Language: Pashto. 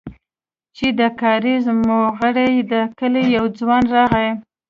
چې د کاريز موغري د کلي يو ځوان راغى.